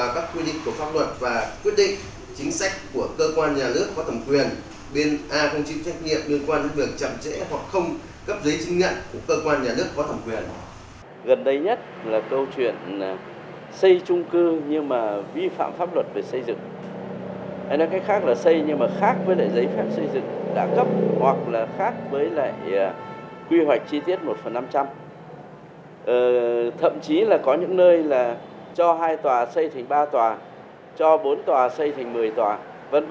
các giấy chứng nhận của cơ quan nhà nước có thẩm quyền